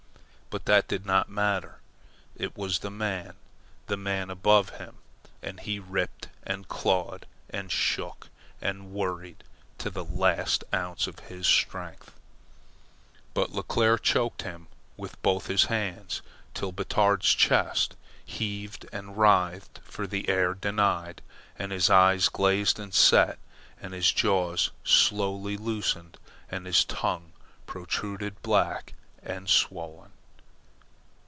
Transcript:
But that did not matter it was the man, the man above him, and he ripped and clawed, and shook and worried, to the last ounce of his strength. But Leclere choked him with both his hands, till Batard's chest heaved and writhed for the air denied, and his eyes glazed and set, and his jaws slowly loosened, and his tongue protruded black and swollen.